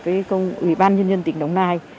với công ủy ban nhân dân tỉnh đồng nai